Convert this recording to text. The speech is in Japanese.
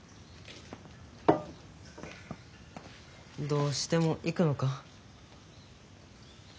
どうしても行くのか？